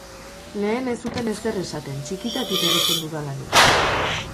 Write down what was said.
Lehen ez zuten ezer esaten, txikitatik erretzen dudala nik.